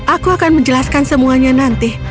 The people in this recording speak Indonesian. aku akan menjelaskan semuanya nanti